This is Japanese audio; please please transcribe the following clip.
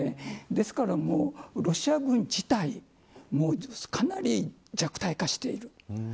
ですから、ロシア軍自体かなり弱体化している。